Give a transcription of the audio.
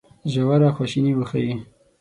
ژوره خواشیني وښيي.